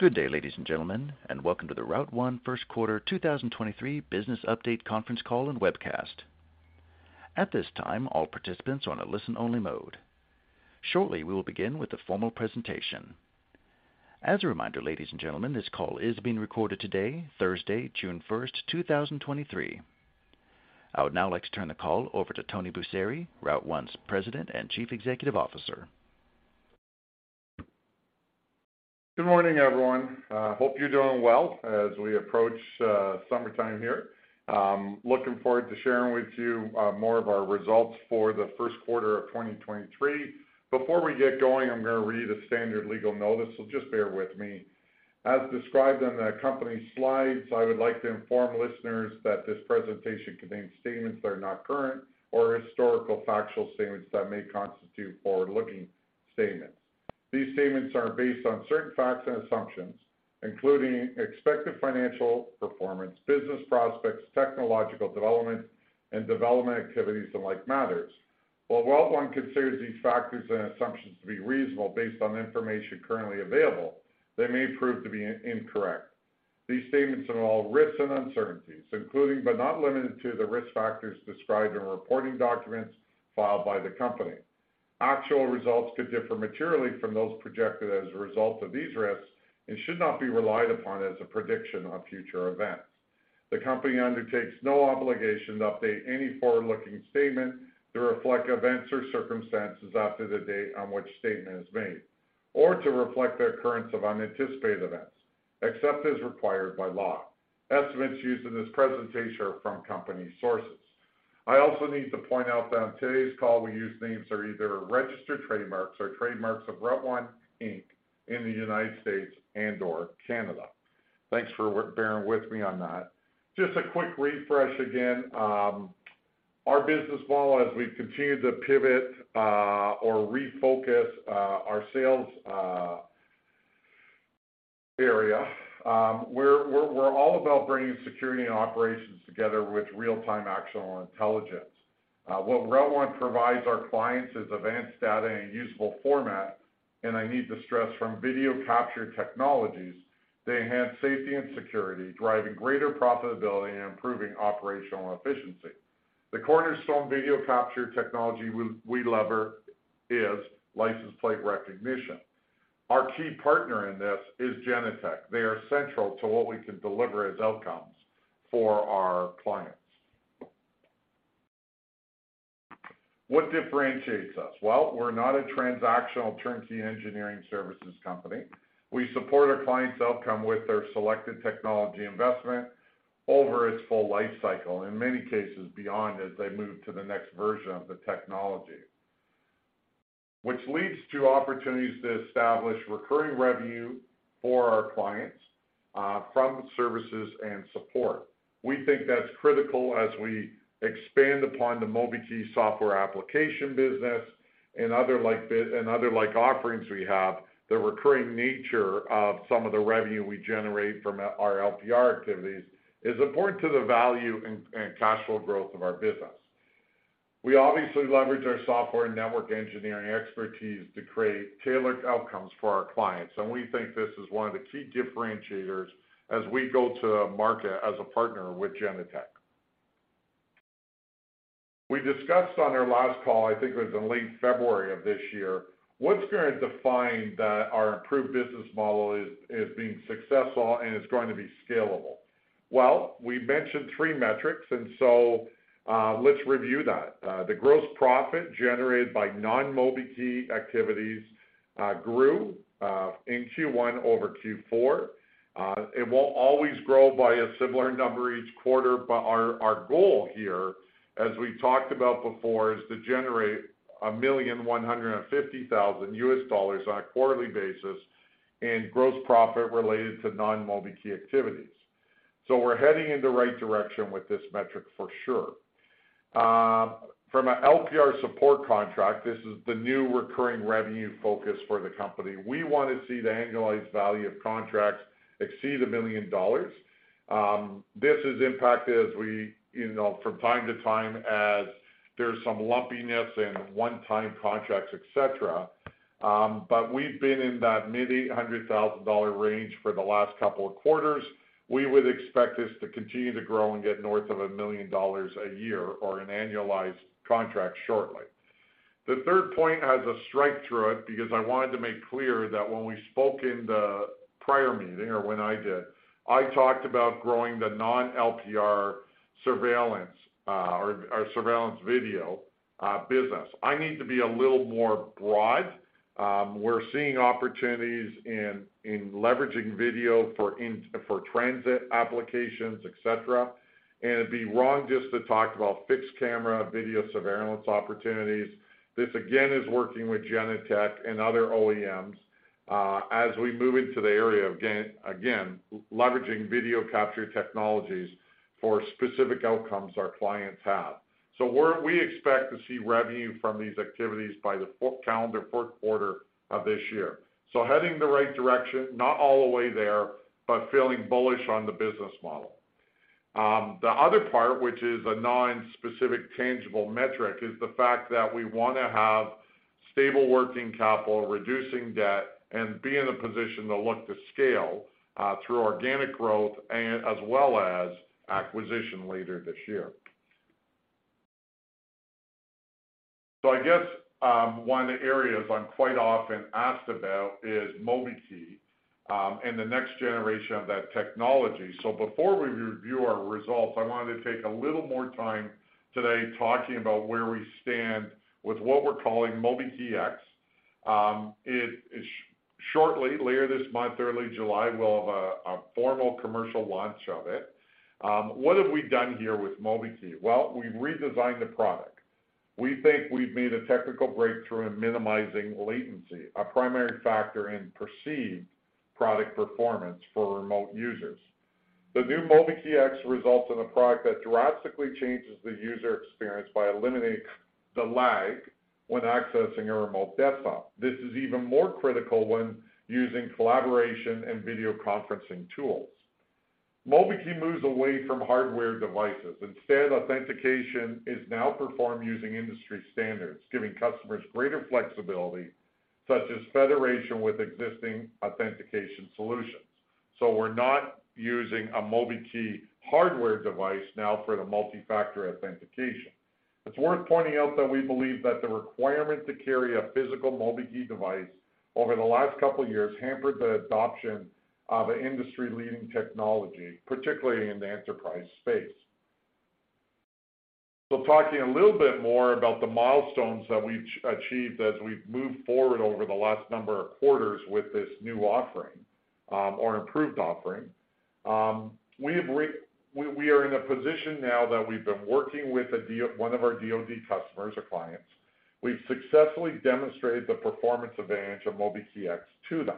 Good day, ladies and gentlemen, and welcome to the Route1 first quarter 2023 business update conference call and webcast. At this time, all participants are on a listen-only mode. Shortly, we will begin with the formal presentation. As a reminder, ladies and gentlemen, this call is being recorded today, Thursday, June 1, 2023. I would now like to turn the call over to Tony Busseri, Route1's President and Chief Executive Officer. Good morning, everyone. Hope you're doing well as we approach summertime here. Looking forward to sharing with you more of our results for the first quarter of 2023. Before we get going, I'm gonna read a standard legal notice, just bear with me. As described on the accompanying slides, I would like to inform listeners that this presentation contains statements that are not current or historical factual statements that may constitute forward-looking statements. These statements are based on certain facts and assumptions, including expected financial performance, business prospects, technological development and development activities, and like matters. While Route1 considers these factors and assumptions to be reasonable based on the information currently available, they may prove to be incorrect. These statements involve risks and uncertainties, including, but not limited to, the risk factors described in reporting documents filed by the company. Actual results could differ materially from those projected as a result of these risks and should not be relied upon as a prediction of future events. The company undertakes no obligation to update any forward-looking statement to reflect events or circumstances after the date on which statement is made, or to reflect the occurrence of unanticipated events, except as required by law. Estimates used in this presentation are from company sources. I also need to point out that on today's call, we use names that are either registered trademarks or trademarks of Route1 Inc. in the United States and/or Canada. Thanks for bearing with me on that. Just a quick refresh again. Our business model as we continue to pivot or refocus our sales area, we're all about bringing security and operations together with real-time actionable intelligence. What Route1 provides our clients is advanced data in a usable format, and I need to stress from video capture technologies, they enhance safety and security, driving greater profitability and improving operational efficiency. The cornerstone video capture technology we lever is license plate recognition. Our key partner in this is Genetec. They are central to what we can deliver as outcomes for our clients. What differentiates us? Well, we're not a transactional turnkey engineering services company. We support our clients' outcome with their selected technology investment over its full life cycle, in many cases beyond, as they move to the next version of the technology, which leads to opportunities to establish recurring revenue for our clients from services and support. We think that's critical as we expand upon the MobiKEY software application business and other like offerings we have. The recurring nature of some of the revenue we generate from our LPR activities is important to the value and cash flow growth of our business. We obviously leverage our software and network engineering expertise to create tailored outcomes for our clients. We think this is one of the key differentiators as we go to market as a partner with Genetec. We discussed on our last call, I think it was in late February of this year, what's going to define that our improved business model is being successful and is going to be scalable? We mentioned three metrics. Let's review that. The gross profit generated by non-MobiKEY activities grew in Q1 over Q4. It won't always grow by a similar number each quarter, but our goal here, as we talked about before, is to generate 1.15 million on a quarterly basis in gross profit related to non-MobiKEY activities. We're heading in the right direction with this metric for sure. From an LPR support contract, this is the new recurring revenue focus for the company. We want to see the annualized value of contracts exceed 1 million dollars. This is impacted, you know, from time to time, as there's some lumpiness in one-time contracts, et cetera. We've been in that mid-CAD 800,000 range for the last couple of quarters. We would expect this to continue to grow and get north of 1 million dollars a year or an annualized contract shortly. The third point has a strike through it, because I wanted to make clear that when we spoke in the prior meeting, or when I did, I talked about growing the non-LPR surveillance or surveillance video business. I need to be a little more broad. We're seeing opportunities in leveraging video for transit applications, et cetera. It'd be wrong just to talk about fixed camera video surveillance opportunities. This, again, is working with Genetec and other OEMs, as we move into the area of again, leveraging video capture technologies for specific outcomes our clients have. We expect to see revenue from these activities by the fourth calendar, fourth quarter of this year. Heading in the right direction, not all the way there, but feeling bullish on the business model. The other part, which is a non-specific tangible metric, is the fact that we want to have stable working capital, reducing debt, and be in a position to look to scale through organic growth and as well as acquisition later this year. I guess, one of the areas I'm quite often asked about is MobiKEY, and the next generation of that technology. Before we review our results, I wanted to take a little more time today talking about where we stand with what we're calling MobiKEY X. Shortly, later this month, early July, we'll have a formal commercial launch of it. What have we done here with MobiKEY? Well, we've redesigned the product. We think we've made a technical breakthrough in minimizing latency, a primary factor in perceived product performance for remote users. The new MobiKEY X results in a product that drastically changes the user experience by eliminating the lag when accessing a remote desktop. This is even more critical when using collaboration and video conferencing tools. MobiKEY moves away from hardware devices. Instead, authentication is now performed using industry standards, giving customers greater flexibility, such as federation with existing authentication solutions. We're not using a MobiKEY hardware device now for the multifactor authentication. It's worth pointing out that we believe that the requirement to carry a physical MobiKEY device over the last couple of years hampered the adoption of an industry-leading technology, particularly in the enterprise space. Talking a little bit more about the milestones that we've achieved as we've moved forward over the last number of quarters with this new offering, or improved offering. We are in a position now that we've been working with one of our DoD customers or clients. We've successfully demonstrated the performance advantage of MobiKEY X to them.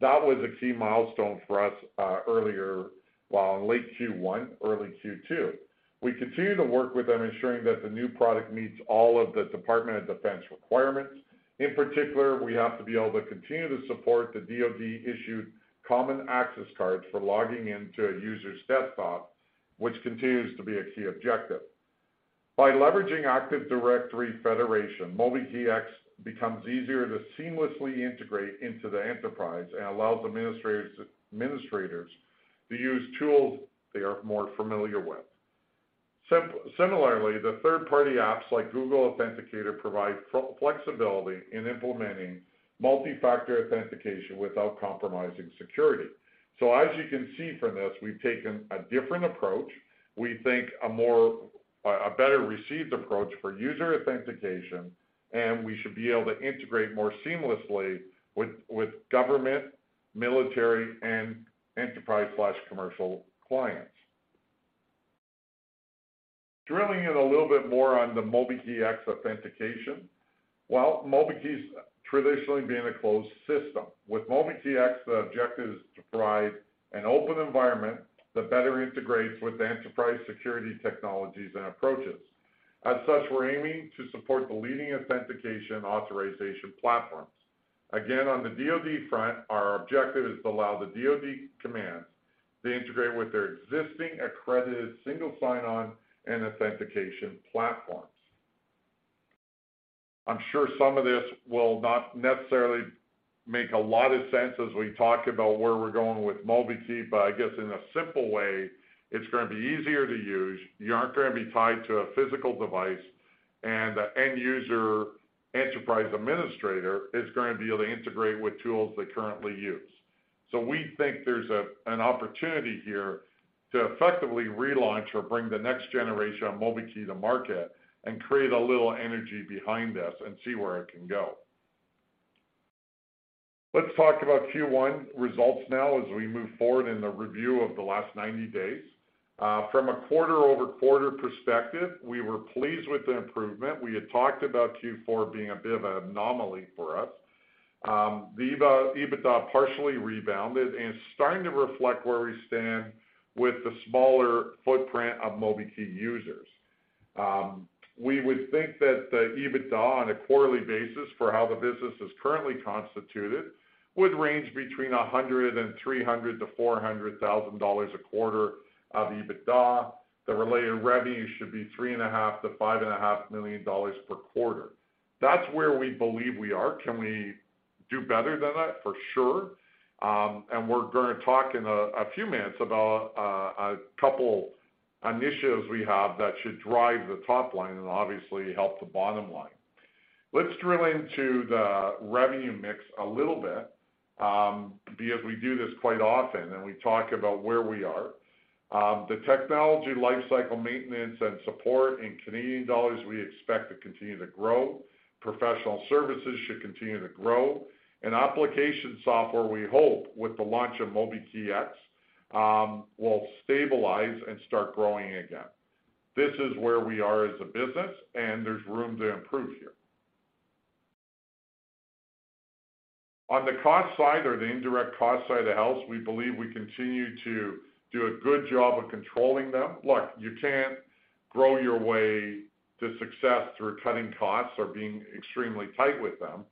That was a key milestone for us, in late Q1, early Q2. We continue to work with them, ensuring that the new product meets all of the Department of Defense requirements. In particular, we have to be able to continue to support the DoD-issued Common Access Cards for logging into a user's desktop, which continues to be a key objective. By leveraging Active Directory Federation, MobiKEY X becomes easier to seamlessly integrate into the enterprise and allows administrators to use tools they are more familiar with. Similarly, the third-party apps like Google Authenticator provide flexibility in implementing multifactor authentication without compromising security. As you can see from this, we've taken a different approach, we think a more, a better-received approach for user authentication, and we should be able to integrate more seamlessly with government, military, and enterprise/commercial clients. Drilling in a little bit more on the MobiKEY X authentication. MobiKEY's traditionally been a closed system. With MobiKEY X, the objective is to provide an open environment that better integrates with the enterprise security technologies and approaches. As such, we're aiming to support the leading authentication authorization platforms. Again, on the DoD front, our objective is to allow the DoD commands to integrate with their existing accredited single sign-on and authentication platforms. I'm sure some of this will not necessarily make a lot of sense as we talk about where we're going with MobiKEY. I guess in a simple way, it's going to be easier to use, you aren't going to be tied to a physical device, and the end user enterprise administrator is going to be able to integrate with tools they currently use. We think there's an opportunity here to effectively relaunch or bring the next generation of MobiKEY to market and create a little energy behind this and see where it can go. Let's talk about Q1 results now as we move forward in the review of the last 90 days. From a quarter-over-quarter perspective, we were pleased with the improvement. We had talked about Q4 being a bit of an anomaly for us. The EBITDA partially rebounded and starting to reflect where we stand with the smaller footprint of MobiKEY users. We would think that the EBITDA on a quarterly basis for how the business is currently constituted, would range between 100,000 and 300,000-400,000 dollars a quarter of EBITDA. The related revenue should be 3.5-5.5 million dollars per quarter. That's where we believe we are. Can we do better than that? For sure. We're going to talk in a few minutes about a couple initiatives we have that should drive the top line and obviously help the bottom line. Let's drill into the revenue mix a little bit, because we do this quite often, and we talk about where we are. The technology lifecycle maintenance and support in Canadian dollars, we expect to continue to grow. Professional services should continue to grow. Application software, we hope, with the launch of MobiKEY X, will stabilize and start growing again. This is where we are as a business, and there's room to improve here. On the cost side or the indirect cost side of the house, we believe we continue to do a good job of controlling them. Look, you can't grow your way to success through cutting costs or being extremely tight with them.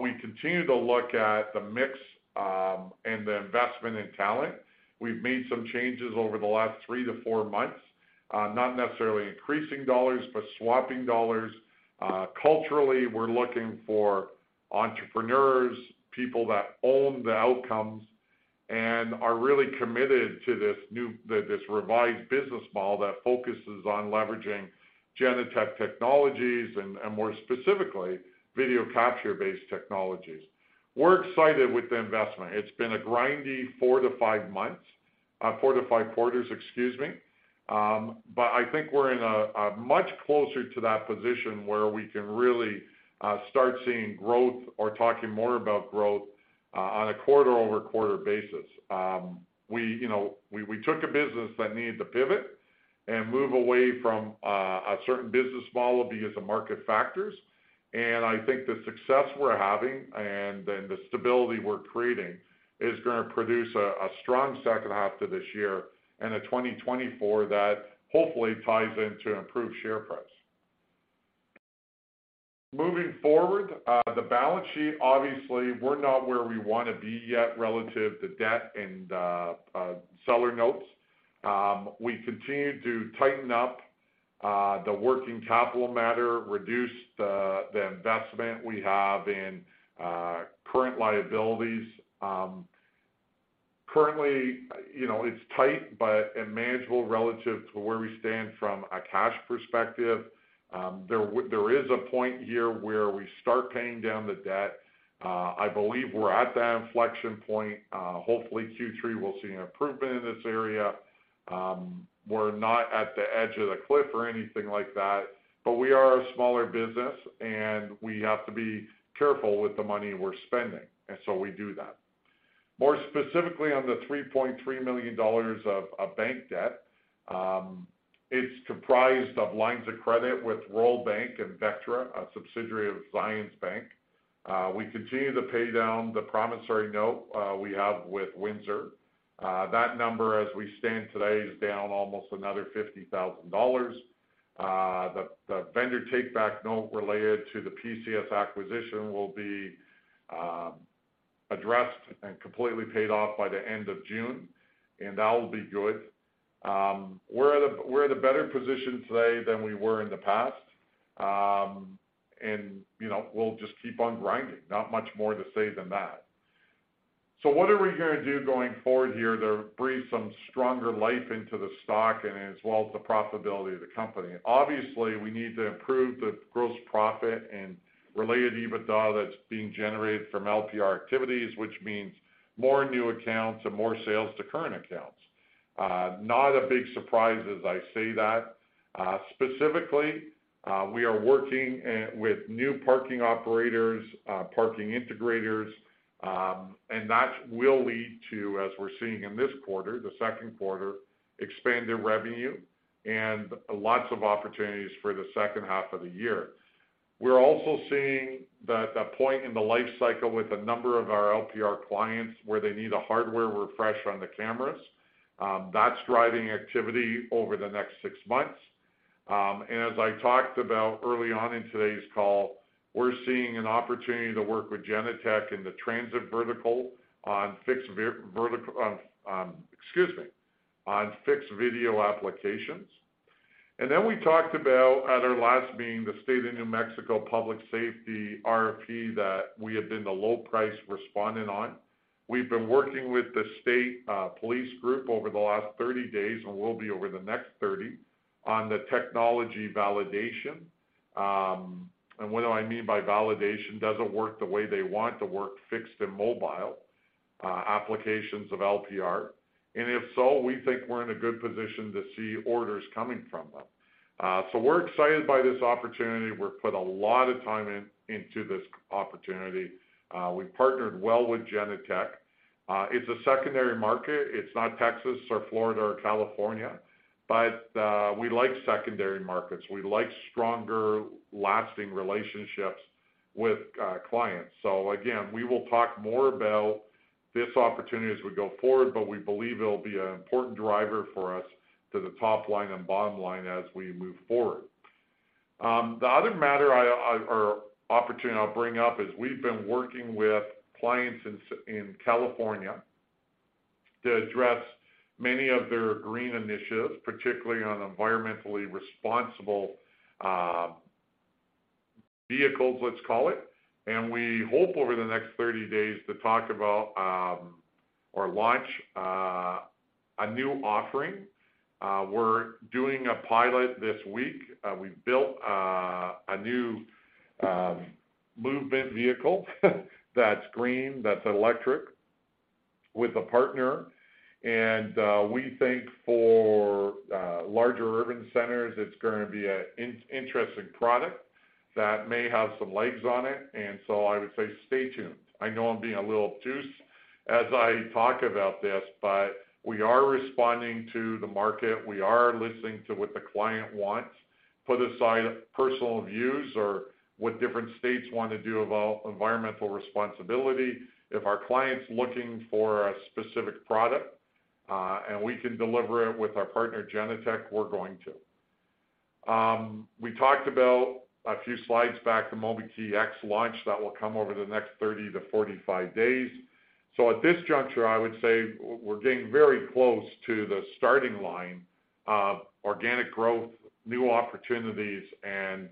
We continue to look at the mix, and the investment in talent. We've made some changes over the last three to four months, not necessarily increasing dollars, but swapping dollars. Culturally, we're looking for entrepreneurs, people that own the outcomes, and are really committed to this revised business model that focuses on leveraging Genetec technologies, and more specifically, video capture-based technologies. We're excited with the investment. It's been a grindy four to five months, four to five quarters, excuse me. I think we're in a much closer to that position where we can really start seeing growth or talking more about growth on a quarter-over-quarter basis. We, you know, we took a business that needed to pivot and move away from a certain business model because of market factors, I think the success we're having, and then the stability we're creating, is gonna produce a strong second half to this year and a 2024 that hopefully ties into improved share price. Moving forward, the balance sheet, obviously, we're not where we wanna be yet relative to debt and seller notes. We continue to tighten up the working capital matter, reduce the investment we have in current liabilities. Currently, you know, it's tight, and manageable relative to where we stand from a cash perspective. There is a point here where we start paying down the debt. I believe we're at that inflection point. Hopefully, Q3 will see an improvement in this area. We're not at the edge of the cliff or anything like that, but we are a smaller business, and we have to be careful with the money we're spending, and so we do that. More specifically on the 3.3 million dollars of bank debt, it's comprised of lines of credit with World Bank and Vectra, a subsidiary of Zions Bank. We continue to pay down the promissory note we have with Windsor. That number, as we stand today, is down almost another 50,000 dollars. The vendor take-back note related to the PCS acquisition will be addressed and completely paid off by the end of June, and that will be good. We're at a better position today than we were in the past. You know, we'll just keep on grinding. Not much more to say than that. What are we gonna do going forward here to breathe some stronger life into the stock and as well as the profitability of the company? We need to improve the gross profit and related EBITDA that's being generated from LPR activities, which means more new accounts and more sales to current accounts. Not a big surprise as I say that. Specifically, we are working with new parking operators, parking integrators, and that will lead to, as we're seeing in this quarter, the 2nd quarter, expanded revenue and lots of opportunities for the 2nd half of the year. We're also seeing that the point in the life cycle with a number of our LPR clients, where they need a hardware refresh on the cameras, that's driving activity over the next six months. As I talked about early on in today's call, we're seeing an opportunity to work with Genetec in the transit vertical on fixed vertical, Excuse me, on fixed video applications. We talked about other last being the State of New Mexico Public Safety RFP that we have been the low-price respondent on. We've been working with the state, police group over the last 30 days, and we'll be over the next 30, on the technology validation. What do I mean by validation? Does it work the way they want to work, fixed and mobile, applications of LPR? If so, we think we're in a good position to see orders coming from them. We're excited by this opportunity. We've put a lot of time into this opportunity. We've partnered well with Genetec. It's a secondary market. It's not Texas or Florida or California, but we like secondary markets. We like stronger, lasting relationships with clients. Again, we will talk more about this opportunity as we go forward, but we believe it'll be an important driver for us to the top line and bottom line as we move forward. The other matter I or opportunity I'll bring up is we've been working with clients in California to address many of their green initiatives, particularly on environmentally responsible vehicles, let's call it, and we hope over the next 30 days to talk about or launch a new offering. We're doing a pilot this week. We've built a new movement vehicle that's green, that's electric, with a partner. We think for larger urban centers, it's gonna be an interesting product that may have some legs on it. I would say stay tuned. I know I'm being a little obtuse as I talk about this, we are responding to the market. We are listening to what the client wants. Put aside personal views or what different states want to do about environmental responsibility. If our client's looking for a specific product, and we can deliver it with our partner, Genetec, we're going to. We talked about a few slides back, the MobiKEY X launch that will come over the next 30-45 days. At this juncture, I would say we're getting very close to the starting line of organic growth, new opportunities, and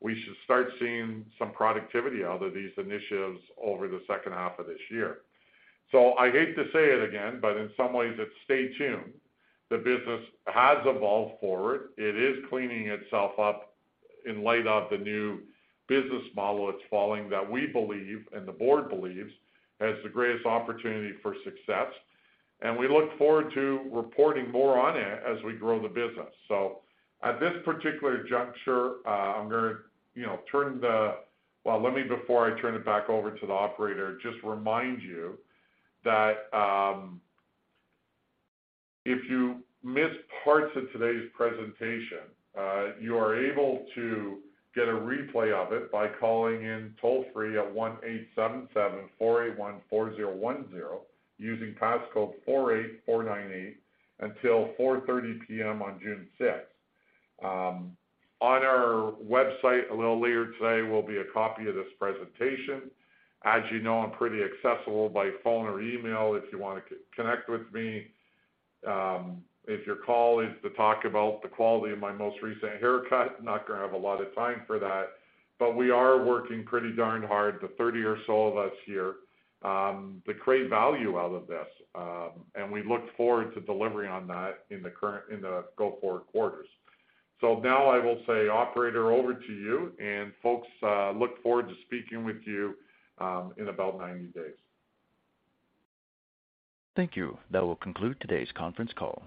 we should start seeing some productivity out of these initiatives over the second half of this year. I hate to say it again, in some ways it's stay tuned. The business has evolved forward. It is cleaning itself up in light of the new business model it's following, that we believe, and the board believes, has the greatest opportunity for success, and we look forward to reporting more on it as we grow the business. At this particular juncture, I'm gonna, you know, let me before I turn it back over to the operator, just remind you that, if you missed parts of today's presentation, you are able to get a replay of it by calling in toll-free at one eight seven seven four eight one four zero one zero, using passcode four eight four nine eight, until 4:30 P.M. on June sixth. On our website, a little later today, will be a copy of this presentation. As you know, I'm pretty accessible by phone or email if you want to connect with me. If your call is to talk about the quality of my most recent haircut, not gonna have a lot of time for that. We are working pretty darn hard, the 30 or so of us here, to create value out of this. We look forward to delivering on that in the go-forward quarters. Now I will say, operator, over to you. Folks, look forward to speaking with you in about 90 days. Thank you. That will conclude today's conference call.